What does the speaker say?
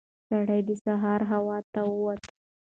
سړی د سهار هوا ته ووت.